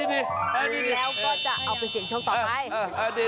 แล้วก็จะเอาไปเสี่ยงโชคต่อไป